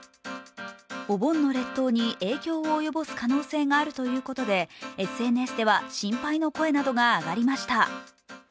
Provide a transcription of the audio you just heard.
お盆の列島に影響を及ぼす可能性があるということで、ＳＮＳでは心配の声などが上がりました。